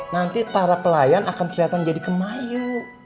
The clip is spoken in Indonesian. nanti para pelayan akan kelihatan jadi kemayu